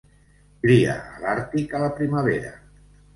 Cria a l'Àrtic a la primavera.